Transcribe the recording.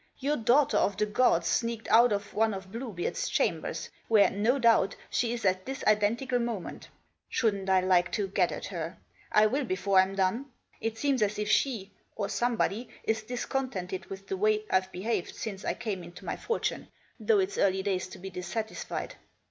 Your daughter Of the gads Staked Out Of One Of Bluebeard's chambers, where, no doubt, she is at this identical moment. Shouldn't 1 like to get at her ! I will before I'm done. It seems as if aha — oi* somebody — Is discontented with the way I've behaved since I came into my fortune, though It's early days to be dissatisfied.